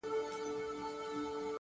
د حوصلې ځواک اوږده لارې لنډوي،